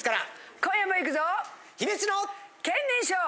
今夜もいくぞ！